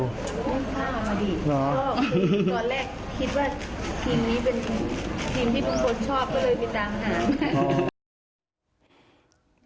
ไม่ชอบตอนแรกคิดว่าทีมนี้เป็นทีมที่ลุงพลชอบก็เลยไปตามหา